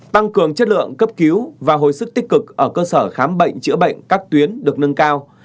tăng cường chất lượng cấp cứu và hồi sức tích cực ở cơ sở khám bệnh chữa bệnh các tuyến được nâng cao